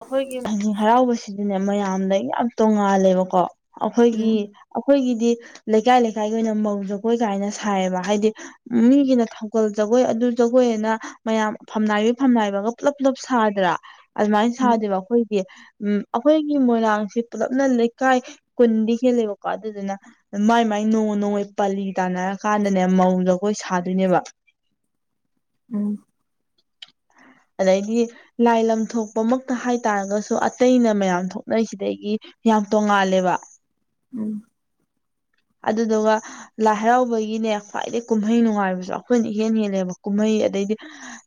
ꯑꯩꯈꯣꯏꯒꯤ ꯊꯥꯡꯖꯤꯡ ꯍꯔꯥꯎꯕꯁꯤꯗꯤꯅꯦ ꯃꯌꯥꯝꯗꯒꯤ ꯌꯥꯝ ꯇꯣꯡꯉꯥꯜꯂꯦꯕꯀꯣ ꯑꯩꯈꯣꯏꯒꯤ ꯎꯝ ꯑꯩꯈꯣꯏꯒꯤꯗꯤ ꯂꯩꯀꯥꯏ ꯂꯩꯀꯥꯏꯒꯤ ꯑꯣꯏꯅ ꯃꯧ ꯖꯒꯣꯏ ꯀꯥꯏꯅ ꯁꯥꯏꯌꯦꯕ ꯍꯥꯏꯗꯤ ꯃꯤꯒꯤꯅ ꯊꯧꯒꯜ ꯖꯒꯣꯏ ꯑꯗꯨ ꯖꯒꯣꯏꯅ ꯃꯌꯥꯝ ꯐꯝꯅꯥꯏꯕꯤ ꯐꯝꯅꯥꯏꯕꯒ ꯄꯨꯂꯞ ꯄꯨꯂꯞ ꯁꯥꯗ꯭ꯔꯥ ꯑꯗꯨꯃꯥꯏꯅ ꯎꯝ ꯁꯥꯗꯦꯕ ꯑꯩꯈꯣꯏꯗꯤ ꯎꯝ ꯑꯩꯈꯣꯏꯒꯤ ꯃꯣꯏꯔꯥꯡꯁꯦ ꯄꯨꯂꯞꯅ ꯂꯩꯀꯥꯏ ꯀꯨꯟꯗꯤ ꯍꯦꯜꯂꯦꯕꯀꯣ ꯑꯗꯨꯗꯨꯅ ꯃꯥꯏ ꯃꯥꯏ ꯅꯣꯡ ꯅꯣꯡꯃꯩ ꯄꯥꯂꯤ ꯇꯥꯅꯔ ꯀꯥꯟꯗꯅꯦ ꯃꯧꯒ ꯑꯩꯈꯣꯏ ꯁꯥꯗꯣꯏꯅꯦꯕ ꯎꯝ ꯑꯗꯩꯗꯤ ꯂꯥꯏ ꯂꯝ ꯊꯣꯛꯄ ꯃꯛꯇ ꯍꯥꯏꯇꯥꯔꯒꯁꯨ ꯑꯇꯩꯅ ꯃꯌꯥꯝ ꯊꯣꯛꯅꯩꯔꯤꯁꯤꯗꯒꯤ ꯌꯥꯝ ꯇꯣꯡꯉꯥꯜꯂꯦꯕ ꯎꯝ ꯑꯗꯨꯗꯨꯒ ꯂꯥꯏ ꯍꯔꯥꯎꯕꯒꯤꯅꯦ ꯈ꯭ꯋꯥꯏꯗꯩ ꯀꯨꯝꯍꯩ ꯅꯨꯡꯉꯥꯏꯕꯁꯨ ꯑꯩꯈꯣꯏꯅ ꯏꯍꯦꯟ ꯍꯦꯜꯂꯦꯕ ꯀꯨꯝꯍꯩ ꯑꯗꯩꯗꯤ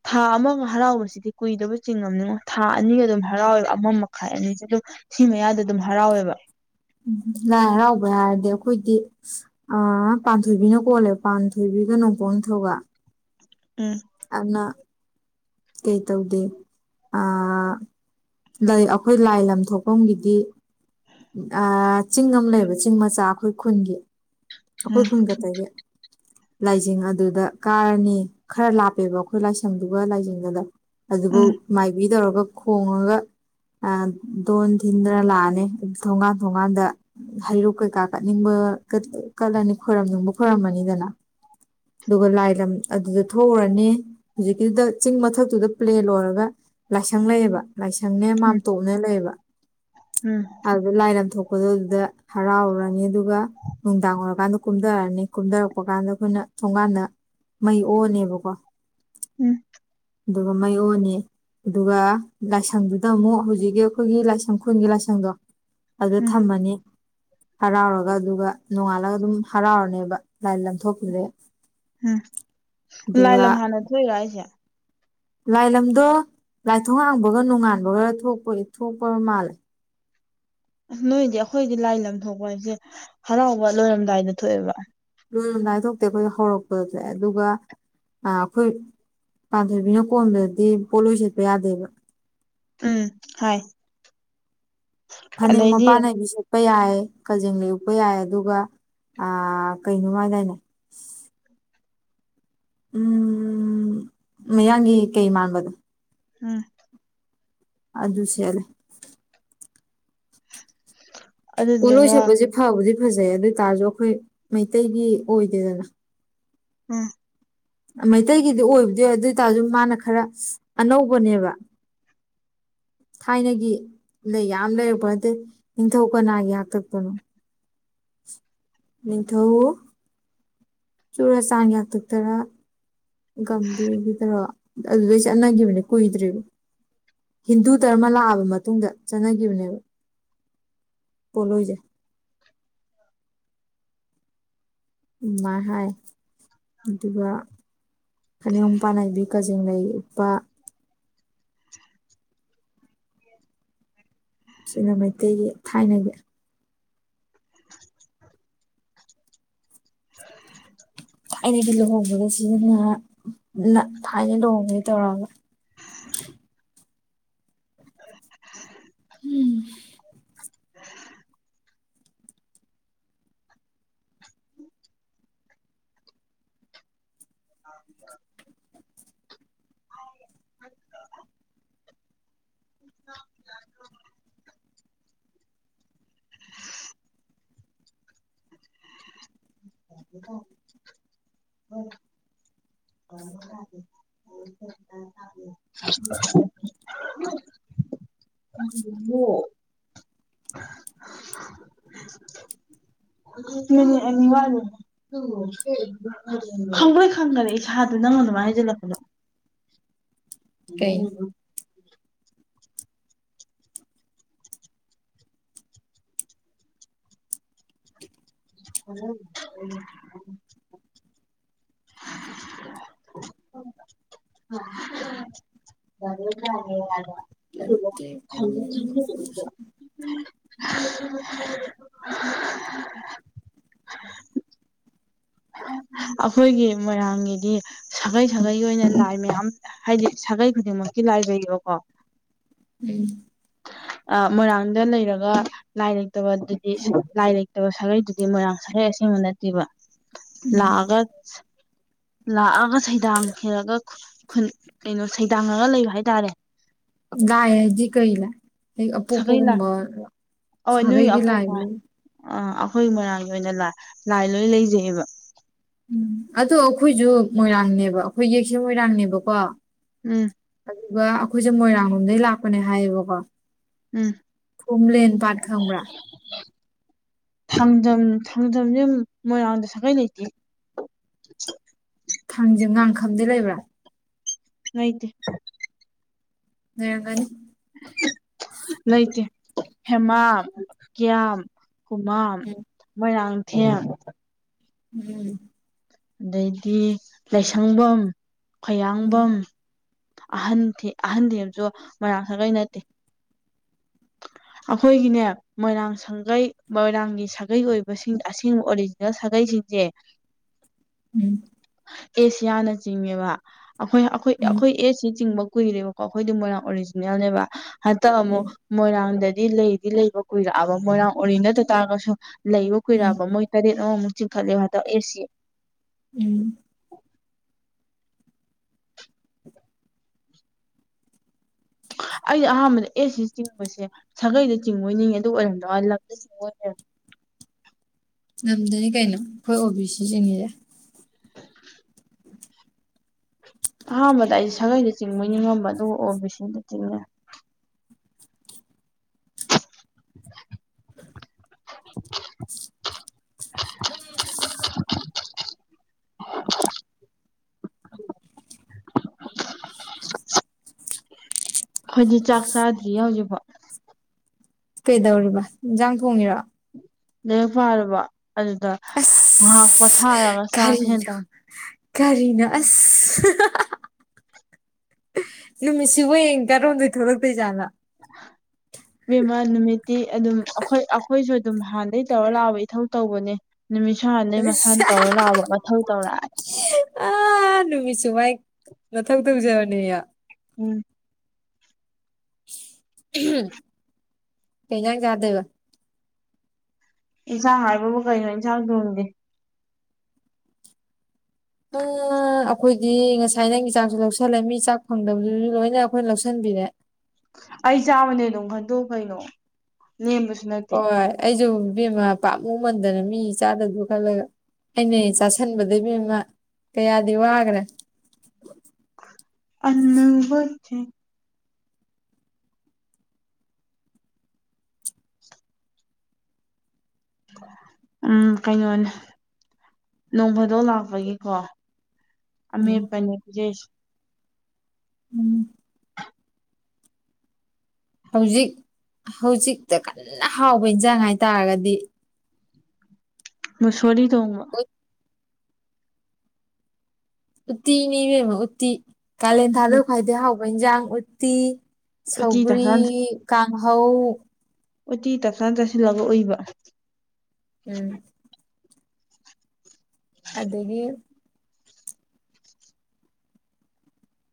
ꯊꯥ ꯑꯃꯒ ꯍꯔꯥꯎꯕꯁꯤꯗꯤ ꯀꯨꯏꯗꯕ ꯆꯤꯡꯉꯝꯅꯤꯉꯣ ꯊꯥ ꯑꯅꯤꯒ ꯑꯗꯨꯝ ꯍꯔꯥꯎꯋꯦꯕ ꯑꯃ ꯃꯈꯥꯏ ꯑꯅꯤꯁꯦ ꯑꯗꯨꯝ ꯁꯤ ꯃꯌꯥꯗ ꯑꯗꯨꯝ ꯍꯔꯥꯎꯋꯦꯕ ꯎꯝ ꯂꯥꯏ ꯍꯔꯥꯎꯕ ꯍꯥꯏꯔꯗꯤ ꯑꯩꯈꯣꯏꯗꯤ ꯑ ꯄꯥꯟꯊꯣꯏꯕꯤꯅ ꯀꯣꯜꯂꯦ ꯄꯥꯟꯊꯣꯏꯕꯤꯒ ꯅꯣꯡꯄꯣꯛ ꯅꯤꯡꯊꯧꯒ ꯎꯝ ꯑꯗꯨꯅ ꯀꯩꯇꯧꯗꯦ ꯑꯥ ꯂꯩ ꯑꯩꯈꯣꯏ ꯂꯥꯏ ꯂꯝ ꯊꯣꯛꯐꯝꯒꯤꯗꯤ ꯑꯥ ꯆꯤꯡ ꯑꯃ ꯂꯩꯕ ꯆꯤꯡ ꯃꯆꯥ ꯑꯩꯈꯣꯏ ꯈꯨꯜꯒꯤ ꯎꯝ ꯑꯩꯈꯣꯏ ꯈꯨꯜ ꯈꯛꯇꯒꯤ ꯂꯥꯏꯖꯤꯡ ꯑꯗꯨꯗ ꯀꯥꯔꯅꯤ ꯈꯔ ꯂꯥꯞꯄꯦꯕ ꯑꯩꯈꯣꯏ ꯂꯥꯏꯁꯪꯗꯨꯒ ꯂꯥꯏꯖꯤꯡ ꯑꯗꯨꯕꯨ ꯎꯝ ꯃꯥꯏꯕꯤ ꯇꯧꯔꯒ ꯈꯣꯡꯉꯒ ꯑ ꯙꯣꯟ ꯊꯤꯟꯗꯅ ꯂꯥꯛꯑꯅꯤ ꯊꯣꯡꯒꯥꯟ ꯊꯣꯡꯒꯥꯟꯗ ꯍꯩꯔꯨꯛ ꯀꯩꯀꯥ ꯀꯠꯅꯤꯡꯕ ꯀꯠꯂꯅꯤ ꯈꯣꯏꯔꯝꯅꯤꯡꯕ ꯈꯣꯏꯔꯝꯃꯅꯤꯗꯅ ꯑꯗꯨꯒ ꯂꯥꯏ ꯂꯝ ꯑꯗꯨꯗ ꯊꯣꯛꯎꯔꯅꯤ ꯍꯧꯖꯤꯛꯀꯤꯗꯨꯗ ꯆꯤꯡ ꯃꯊꯛꯇꯨꯗ ꯄ꯭ꯂꯦꯟ ꯑꯣꯏꯔꯒ ꯂꯥꯏꯁꯪ ꯂꯩꯌꯦꯕ ꯂꯥꯏꯁꯪꯅꯦ ꯃꯥꯟꯇꯣꯞ ꯅꯦ ꯂꯩꯌꯦꯕ ꯎꯝ ꯑꯗꯨꯗ ꯂꯥꯏ ꯂꯝꯊꯣꯛꯄꯗꯣ ꯑꯗꯨꯗ ꯍꯔꯥꯎꯔꯅꯤ ꯑꯗꯨꯒ ꯅꯨꯡꯗꯥꯡ ꯑꯣꯏꯔꯀꯥꯟꯗ ꯀꯨꯝꯙꯔꯑꯅꯤ ꯀꯨꯝꯊꯔꯛꯄ ꯀꯥꯟꯗ ꯑꯩꯈꯣꯏꯅ ꯊꯣꯡꯒꯥꯟꯗ ꯃꯩ ꯑꯣꯛꯑꯅꯤꯕꯀꯣ ꯎꯝ ꯑꯗꯨꯒ ꯃꯩ ꯑꯣꯛꯑꯅꯤ ꯑꯗꯨꯒ ꯂꯥꯏꯁꯪꯗꯨꯗ ꯑꯃꯨꯛ ꯍꯧꯖꯤꯛꯀꯤ ꯑꯩꯈꯣꯏꯒꯤ ꯂꯥꯏꯁꯪ ꯈꯨꯟꯒꯤ ꯂꯥꯏꯁꯪꯗꯣ ꯑꯗꯨꯗ ꯎꯝ ꯊꯝꯃꯅꯤ ꯍꯔꯥꯎꯔꯒ ꯑꯗꯨꯒ ꯅꯣꯡꯉꯥꯜꯂꯒ ꯑꯗꯨꯝ ꯍꯔꯥꯎꯔꯅꯦꯕ ꯂꯥꯏꯂꯝ ꯊꯣꯛꯈꯤꯕꯗꯩ ꯎꯝ ꯂꯥꯏ ꯑꯗꯨꯒ ꯂꯝ ꯍꯥꯟꯅ ꯊꯣ ꯏꯔꯣ ꯍꯥꯢꯖꯦ ꯂꯥꯏꯂꯝꯗꯣ ꯂꯥꯏꯊꯣꯡꯍꯥꯡꯕꯒ ꯅꯣꯡꯉꯥꯟꯕꯒ ꯊꯣꯛꯄꯒꯤ ꯊꯣꯛꯄ ꯃꯥꯜꯂꯦ ꯅꯣꯏꯗꯤ ꯑꯈꯣꯏꯗꯤ ꯂꯥꯏ ꯂꯝꯊꯣꯛꯄ ꯍꯥꯏꯁꯦ ꯍꯔꯥꯎꯕ ꯂꯣꯏꯔꯝꯗꯥꯏꯗ ꯊꯣꯛꯑꯦꯕ ꯂꯣꯢꯔꯝꯗꯥꯢ ꯊꯣꯛꯇꯦ ꯑꯩꯈꯣꯏ ꯍꯧꯔꯛꯄꯗ ꯊꯣꯛꯑꯦ ꯑꯗꯨꯒ ꯑ ꯈꯣꯏ ꯄꯥꯟꯊꯣꯏꯕꯤꯅ ꯀꯣꯟꯕꯗꯗꯤ ꯄꯣꯂꯣꯏ ꯁꯦꯠꯄ ꯌꯥꯗꯦꯕ ꯎꯝ ꯍꯥꯏ ꯐꯅꯦꯛ ꯑꯗꯩꯗꯤ ꯃꯄꯥꯟ ꯅꯥꯏꯕꯤ ꯁꯦ ꯄ ꯌꯥꯏꯌꯦ ꯀꯖꯦꯡ ꯂꯩ ꯎꯞꯄ ꯌꯥꯏ ꯑꯗꯨꯒ ꯑ ꯀꯩꯅꯣꯝꯍꯥꯏꯗꯥꯏꯅꯦ ꯎꯝ ꯃꯌꯥꯡꯒꯤ ꯀꯩ ꯃꯥꯟꯕꯗꯣ ꯎꯝ ꯑꯗꯨ ꯁꯦꯠꯂꯦ [inaudible] ꯄꯣꯂꯣꯏ ꯁꯦꯠꯄꯖꯦ ꯐꯕꯨꯗꯤ ꯐꯖꯩ ꯑꯗꯨꯢ ꯇꯥꯔꯖꯨ ꯈꯣꯏ ꯃꯩꯇꯩꯒꯤ ꯑꯣꯏꯗꯦꯗꯅ ꯎꯝ ꯃꯩꯇꯩꯒꯤꯗꯤ ꯑꯣꯏꯕꯗꯤ ꯑꯣꯏ ꯑꯗꯨ ꯇꯥꯔꯁꯨ ꯃꯥꯅ ꯈꯔ ꯑꯅꯧꯕꯅꯦꯕ ꯊꯥꯏꯅꯒꯤ ꯌꯥꯝ ꯂꯩꯔꯛꯄ ꯅꯠꯇꯦ ꯅꯤꯡꯊꯧ ꯀꯅꯥꯒꯤ ꯍꯥꯛꯇꯛꯇꯅꯣ ꯅꯤꯡꯊꯧ ꯆꯨꯔꯆꯥꯟꯒꯤ ꯍꯥꯛꯇꯛꯇꯔꯥ ꯒꯝꯚꯤꯔꯒꯤꯗꯔꯣ ꯑꯗꯨꯗꯩ ꯆꯠꯅꯒꯤꯕꯅꯦ ꯀꯨꯏꯗ꯭ꯔꯤꯕ ꯍꯤꯟꯗꯨ ꯗꯔꯃ ꯂꯥꯛꯑꯕ ꯃꯇꯨꯡꯗ ꯆꯠꯅꯒꯤꯕꯅꯦꯕ ꯄꯣꯂꯣꯏꯖꯦ ꯑꯗꯨꯃꯥꯢ ꯍꯥꯏ ꯑꯗꯨꯒ ꯐꯅꯦꯛ ꯃꯄꯥꯟ ꯅꯥꯢꯕꯤ ꯀꯖꯦꯡꯂꯩ ꯎꯞꯄ [inaudible] ꯁꯤꯅ ꯃꯩꯇꯩꯒꯤ ꯊꯥꯏꯅꯒꯤ ꯊꯥꯏꯅꯒꯤ ꯂꯨꯍꯣꯡꯕꯗ ꯁꯤꯖꯤꯟꯅꯍꯥ ꯅꯥ ꯊꯥꯏꯅ ꯂꯨꯍꯣꯡꯕꯒꯤ ꯇꯧꯔꯒ [inaudible] [unintelligible] [inaudible] [inaudible] [inaudible] [inaudible] [unintelligible] [unintelligible] [unintelligible] [unintelligible] ꯈꯪꯕ꯭ꯔꯦꯛ ꯈꯪꯒꯔꯦ ꯏꯁꯥꯗꯨ ꯅꯪ ꯑꯗꯨꯃꯥꯏ ꯍꯥꯏꯖꯤꯜꯂꯛꯄꯗ ꯀꯩꯅꯣ [unintelligible] [unintelligible] [unintelligible] [unintelligible] [inaudible] [inaudible] ꯑꯈꯣꯏꯒꯤ ꯃꯣꯏꯔꯥꯡꯒꯤꯗꯤ ꯁꯥꯒꯩ ꯁꯥꯒꯩ ꯑꯣꯏꯅ ꯂꯥꯏ ꯃꯌꯥꯝ ꯍꯥꯏꯗꯤ ꯁꯥꯒꯩ ꯈꯨꯗꯤꯡꯃꯛꯀꯤ ꯂꯥꯏ ꯂꯩꯕꯀꯣ ꯎꯝ ꯑ ꯃꯣꯏꯔꯥꯡꯗ ꯂꯩꯔꯒ ꯂꯥꯏ ꯂꯩꯇꯕ ꯑꯗꯨꯗꯤ ꯂꯥꯏ ꯂꯩꯇꯕ ꯁꯥꯒꯩꯗꯨꯗꯤ ꯃꯣꯏꯔꯥꯡ ꯁꯥꯒꯩ ꯑꯁꯦꯡꯕ ꯅꯇꯦꯕ ꯂꯥꯑꯒ ꯂꯥꯛꯑꯒ ꯁꯩꯗꯥꯡ ꯈꯦꯔꯒ ꯈꯨꯟ ꯀꯩꯅꯣ ꯁꯩꯗꯥꯡꯉꯒ ꯂꯩꯕ ꯍꯥꯏꯇꯥꯔꯦ ꯂꯥꯏ ꯍꯥꯏꯗꯤ ꯀꯩ ꯂꯥꯏ ꯁꯥꯒꯩ ꯂꯥꯏ ꯑꯄꯣꯛꯄꯒꯨꯝꯕꯔꯣ ꯁꯥꯒꯩꯒꯤ ꯂꯥꯏꯅꯤ ꯑ ꯑꯩꯈꯣꯏ ꯃꯣꯏꯔꯥꯡꯒꯤ ꯑꯣꯏꯅ ꯂ ꯂꯥꯏ ꯂꯣꯏ ꯂꯩꯖꯩꯑꯦꯕ ꯑꯗꯣ ꯑꯩꯈꯣꯏꯁꯨ ꯃꯣꯏꯔꯥꯡꯅꯦꯕ ꯑꯩꯈꯣꯏ ꯌꯦꯛꯁꯦ ꯃꯣꯏꯔꯥꯡꯅꯦꯕꯀꯣ ꯎꯝ ꯑꯗꯨꯒ ꯑꯩꯈꯣꯏꯁꯦ ꯃꯣꯏꯔꯥꯡ ꯂꯣꯝꯗꯩ ꯂꯥꯛꯄꯅꯦ ꯍꯥꯏꯌꯦꯕꯀꯣ ꯎꯝ ꯈꯨꯝꯂꯦꯟ ꯄꯥꯠꯈꯪꯕ꯭ꯔꯥ ꯊꯥꯡꯖꯝ ꯊꯥꯡꯖꯝꯁꯦ ꯃꯣꯏꯔꯥꯡꯗ ꯁꯥꯒꯩ ꯂꯩꯇꯦ ꯊꯥꯡꯖꯦ ꯉꯥꯡ ꯈꯝꯗꯤ ꯂꯩꯕ꯭ꯔꯥ ꯂꯩꯇꯦ ꯅꯩꯔꯛꯀꯅꯤ ꯂꯩꯇꯦ ꯍꯦꯃꯥꯝ ꯀꯤꯌꯥꯝ ꯈꯨꯨꯃꯥꯝ ꯎꯝ ꯃꯣꯏꯔꯥꯡꯊꯦꯝ ꯎꯝ ꯑꯗꯩꯗꯤ ꯂꯥꯏꯁꯪꯕꯝ ꯎꯝ ꯈꯌꯥꯡꯕꯝ ꯑꯍꯟꯊꯦ ꯑꯍꯟ ꯊꯦꯝꯖꯨ ꯃꯣꯏꯔꯥꯡ ꯁꯥꯒꯩ ꯅꯠꯇꯦ ꯑꯩꯈꯣꯏꯒꯤꯅꯦ ꯃꯣꯏꯔꯥꯡ ꯁꯥꯡꯒꯩ ꯃꯣꯏꯔꯥꯡꯒꯤ ꯁꯥꯒꯩ ꯑꯣꯏꯕꯁꯤꯡ ꯑꯁꯦꯡꯕ ꯑꯣꯔꯤꯖ__ ꯖꯦꯜ ꯁꯥꯒꯩꯖꯤꯡꯖꯦ ꯎꯝ ꯑꯦꯁꯤꯌꯥꯅ ꯆꯤꯡꯉꯦꯕ ꯑꯈꯣꯏ ꯑꯈꯣꯏ ꯎꯝ ꯑꯈꯣꯏ ꯑꯦꯁꯁꯤ ꯆꯤꯡꯕ ꯀꯨꯏꯔꯦꯕ__ ꯀꯈꯣꯏꯗꯤ ꯃꯣꯏꯅ ꯑꯣꯔꯤꯖꯤꯅꯦꯜꯅꯦꯕ ꯍꯟꯇꯛ ꯑꯃꯨꯛ ꯎꯝ ꯃꯣꯏꯔꯥꯡꯗꯗꯤ ꯂꯩꯗꯤ ꯂꯩꯕ ꯀꯨꯏꯔꯛꯑꯕ ꯃꯣꯏꯔꯥꯡ ꯑꯣꯔꯤꯅꯠꯇ ꯇꯥꯔꯒꯁꯨ ꯂꯩꯕ ꯎꯝ ꯀꯨꯏꯔꯛꯑꯕ ꯃꯣꯏ__ ꯇꯔꯦꯠ ꯑꯃꯃꯨꯛ ꯆꯤꯡ ꯈꯠꯂꯦ ꯍꯟꯇꯛ ꯑꯦꯁ ꯁꯤ ꯎꯝ ꯑꯩꯗꯤ ꯑꯍꯥꯟꯕꯗ ꯑꯦ ꯁꯤ ꯆꯤꯡꯕꯁꯦ ꯁꯥꯒꯩꯗ ꯆꯤꯡꯕꯣꯏꯅꯤꯡꯉꯦ ꯑꯗꯨ ꯑꯣꯏꯔꯝꯗ꯭ꯔ ꯋꯥꯅꯤ ꯂꯝꯗ ꯆꯤꯡꯕ ꯑꯣꯏ ꯂꯩꯔꯝꯃꯦ ꯉꯝꯝꯗꯅꯤ ꯀꯩꯅꯣ ꯑꯩꯈꯣꯏ ꯑꯣ ꯕꯤ ꯁꯤ ꯆꯤꯡꯉꯤꯌꯦ ꯑꯍꯥꯟꯕꯗ ꯑꯩꯁ ꯁꯥꯒꯩꯗ ꯆꯤꯡꯕꯣꯏꯅꯤꯉꯝꯕ ꯑꯗꯨ ꯑꯣ ꯕꯤꯁꯤꯗ ꯆꯤꯡꯉꯦ ꯎꯝ [inaudible] [inaudible] ꯈꯣꯏꯗꯤ ꯆꯥꯛ ꯆꯥꯗ꯭ꯔꯤꯌꯦ ꯍꯧꯖꯤꯛꯐꯥꯎ ꯀꯩꯗꯧꯔꯤꯕ ꯏꯟꯖꯥꯡ ꯊꯣꯡꯉꯤꯔꯣ ꯂꯥꯏꯔꯤꯛ ꯄꯥꯨꯔꯕ ꯑꯗꯨꯗ ꯑꯁ ꯉꯥꯍꯥꯛ ꯄꯣꯊꯥꯔꯒ ꯆꯥꯥꯁꯦꯟ ꯀꯔꯤꯅꯣ ꯇꯧꯟ__ ꯀꯔꯤꯅꯣ ꯑꯁ ꯅꯨꯃꯤꯠꯁꯤꯕꯨ ꯌꯦꯡ ꯀꯥꯔꯣꯝꯗꯣꯏ ꯊꯣꯛꯂꯛꯇꯣꯏꯖꯥꯠꯅꯣ [inaudible] ꯃꯤꯃꯥ ꯅꯨꯃꯤꯠꯇꯤ ꯑꯗꯨꯝ ꯑꯩꯈꯣꯏ ꯑꯩꯈꯣꯏꯁꯨ ꯑꯗꯨꯝ ꯍꯥꯟꯅꯗꯩ ꯇꯧꯔ ꯂꯥꯛꯑꯕ ꯏꯊꯧ ꯇꯧꯕꯅꯦ ꯅꯨꯃꯤꯠꯁꯨ ꯍꯥꯟꯗꯩ ꯃꯁꯥ ꯇꯧꯔ ꯂꯥꯛꯑꯕ ꯃꯊꯧ ꯇꯧꯔꯛꯑꯦ ꯑꯥ ꯅꯨꯃꯤꯠꯁꯨ ꯃꯥꯏ ꯃꯊꯧ ꯇꯧꯖꯕꯅꯦ ꯌꯣ ꯎꯝ ꯀꯩꯟꯖꯥꯡ ꯆꯥꯗꯣꯏꯕ ꯏꯟꯁꯥꯡ ꯍꯥꯏꯕꯕꯨ ꯀꯩꯅꯣ ꯏꯟꯁꯥꯡ ꯊꯣꯡꯗꯦ ꯌꯥ ꯑꯞ ꯑꯩꯈꯣꯏꯗꯤ ꯉꯁꯥꯏ ꯅꯪꯒꯤ ꯆꯥꯛꯁꯨ ꯂꯧꯁꯜꯂꯦ ꯃꯤ ꯆꯥꯛ ꯐꯪꯗꯕꯗꯨꯁꯨ ꯂꯣꯏꯅ ꯑꯩꯈꯣꯏꯅ ꯂꯧꯁꯤꯟꯕꯤꯔꯦ ꯑꯩ ꯆꯥꯕꯅꯦ ꯑꯗꯨꯝ ꯈꯟꯗꯣꯛ ꯀꯩꯅꯣ ꯂꯦꯝꯕꯁꯨ ꯅꯠꯇꯦ ꯑꯩꯖꯨ ꯏꯕꯦꯃꯥ ꯄꯥꯞꯃꯨꯃꯟꯗꯅ ꯃꯤ ꯆꯥꯗꯗꯨ ꯈꯜꯂꯒ__ ꯑꯩꯅꯦ ꯆꯥꯁꯟꯕꯗ ꯏꯕꯦꯝꯃ ꯀꯌꯥꯗꯤ ꯋꯥꯒ꯭ꯔꯦ ꯑꯅꯧꯕ ꯆꯦꯡ ꯎꯝ ꯀꯩꯅꯣꯅꯦ ꯅꯣꯡꯐꯥꯗꯣꯛ ꯂꯥꯛꯄꯒꯤꯀꯣ ꯑꯃꯦꯠꯄ ꯅꯦ ꯄꯤꯖꯩꯁꯦ ꯎꯝ ꯍꯧꯖꯤꯛ ꯍꯧꯖꯤꯛꯇ ꯀꯟꯅ ꯍꯥꯎꯕ ꯏꯟꯖꯥꯡ ꯍꯥꯏꯇꯥꯔꯒꯗꯤ ꯃꯨꯠꯁꯣꯔꯤ ꯊꯣꯡꯕ ꯑꯣꯏꯠ ꯎꯠꯇꯤꯅꯤ ꯏꯕꯦꯝꯃ ꯎꯠꯇꯤ ꯀꯥꯂꯦꯟ ꯊꯥꯗ ꯈ꯭ꯋꯥꯏꯗꯩ ꯍꯥꯎꯕ ꯏꯟꯁꯥꯡ ꯎꯠꯇꯤ ꯎꯇꯤ ꯇꯞꯁꯥ ꯁꯧꯒ꯭ꯔꯤ ꯀꯥꯡꯍꯧ ꯎꯠꯇꯤ ꯇꯞꯇꯥ ꯆꯥꯁꯤꯜꯂꯒ ꯎꯏꯕ ꯎꯝ ꯑꯗꯒꯤ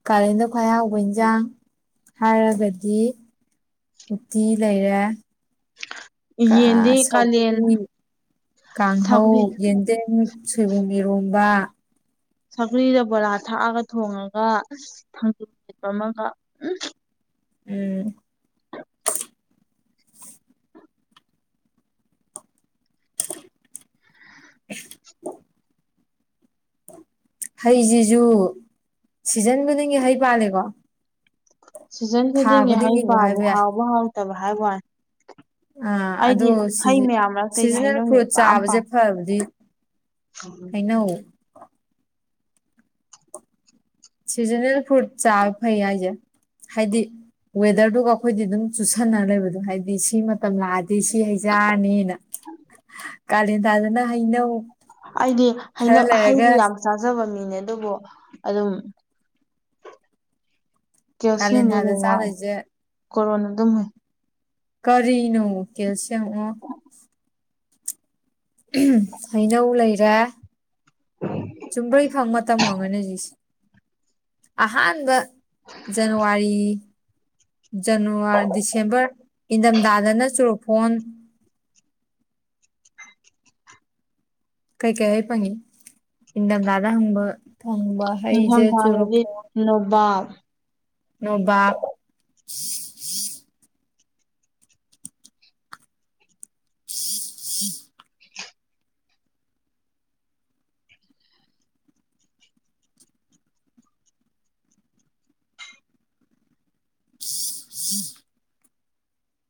ꯀꯥꯂꯦꯟꯗ ꯈ꯭ꯋꯥꯏ ꯍꯥꯎꯕ ꯏꯟꯁꯥꯡ ꯍꯥꯏꯔꯒꯗꯤ ꯎꯠꯇꯤ ꯂꯩꯔꯦ ꯀꯥ ꯌꯦꯟꯗꯤ ꯀꯥꯂꯦꯟ ꯁꯧꯒ꯭ꯔꯤ ꯀꯥꯡꯍꯧ ꯁꯧꯒ꯭ꯔꯤ ꯌꯦꯟꯗꯦꯝ ꯁꯣꯏꯕꯨꯝ ꯏꯔꯣꯝꯕ ꯁꯒ꯭ꯔꯤꯗ ꯕꯣꯔꯥ ꯊꯥꯛꯑꯒ ꯊꯣꯡꯉꯒ ꯑꯁ ꯊꯥꯡꯖꯤꯡ [unintelligible] ꯑꯃꯒ ꯎꯝ ꯎꯝ [unintelligible] ꯍꯩꯖꯤꯖꯨ ꯁꯤꯖꯟ ꯈꯨꯗꯤꯡꯒꯤ ꯍꯩ ꯄꯥꯜꯂꯦꯀꯣ ꯁꯤꯖꯟ ꯊꯥ ꯈꯨꯗꯤꯡꯒꯤ ꯍꯩ ꯈꯨꯗꯤꯡꯒꯤꯕꯨ ꯄꯥꯜꯂꯤ ꯍꯥꯏꯕ ꯌꯥꯏ ꯍꯥꯎꯕ ꯍꯥꯎꯇꯕ ꯍꯥꯏꯋꯥꯅꯤ ꯑꯥ ꯑꯗꯨ ꯁꯤꯖ ꯃꯔꯛꯇꯩꯗꯤ ꯁꯤꯖꯟꯅꯦꯜ ꯍꯩꯅꯧꯅ ꯐ꯭ꯔꯨꯠ ꯏꯄꯥꯝ ꯆꯥꯕꯖꯦ ꯄꯥꯝꯃꯤ ꯐꯕꯗꯤ ꯍꯩꯅꯧ [unintelligible] ꯁꯤꯖꯟꯅꯦꯜ ꯐ꯭ꯔꯨꯠ ꯆꯥꯕ ꯐꯩ ꯍꯥꯏꯁꯦ ꯍꯥꯏꯗꯤ ꯋꯦꯗꯔꯗꯨꯒ ꯑꯩꯈꯣꯏꯗꯤ ꯑꯗꯨꯝ ꯆꯨꯁꯟꯅꯔ ꯂꯩꯕꯗꯣ ꯍꯥꯏꯗꯤ ꯁꯤꯃ ꯇꯝ ꯂꯥꯛꯑꯗꯤ ꯁꯤ ꯍꯩ ꯆꯥꯔꯅꯤꯅ ꯀꯥꯂꯦꯟ ꯊꯥꯗꯅ ꯍꯩꯅꯧ ꯑꯩꯗꯤ ꯈꯔ ꯍꯩꯅꯧ ꯍꯩꯗꯤ ꯂꯩꯔꯒ ꯌꯥꯝ ꯆꯥꯖꯕ ꯃꯤꯅꯦ ꯑꯗꯨꯕꯨ ꯑꯗꯨꯝ ꯀꯥꯂꯦꯟ ꯀꯦꯜꯁꯤꯌꯝꯖꯦ ꯊꯥꯗ ꯑꯗꯨꯝ ꯋꯥꯠꯂꯦ ꯆꯥꯗꯣꯏꯁꯦ ꯀꯣꯔꯣꯟ ꯑꯗꯨꯝ ꯍꯨꯏ ꯀꯔꯤꯅꯣ ꯀꯦꯜꯁꯤꯌꯝ ꯑꯣ ꯎ꯭ꯍꯨꯡ ꯍꯩꯅꯧ ꯂꯩꯔꯦ ꯆꯨꯝꯕ꯭ꯔꯩ ꯐꯪꯕ ꯃꯇꯝ ꯑꯣꯏꯔꯝꯒꯅꯤ ꯍꯧꯖꯤꯛꯁꯦ ꯑꯍꯥꯟꯕ ꯖꯟꯅꯋꯥꯔꯤ ꯖꯟꯅꯋꯥ ꯗꯤꯁꯦꯝꯕꯔ ꯏꯟꯗꯝꯊꯥꯗꯅ ꯆꯨꯔꯐꯣꯟ ꯀꯩ ꯀꯩ ꯍꯩ ꯐꯪꯉꯤ ꯏꯟꯗꯝꯊꯥꯗ ꯍꯪꯕ ꯐꯪꯕ ꯍꯩꯖꯦ ꯅꯤꯡꯊꯝꯊꯥꯗꯗꯤ ꯆꯣꯔꯐꯣꯟ ꯅꯣꯕꯥꯞ ꯅꯣꯕꯥꯞ [inaudible] [inaudible]